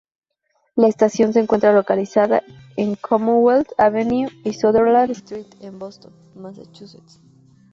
La estación se encuentra localizada en Commonwealth Avenue y Sutherland Street en Boston, Massachusetts.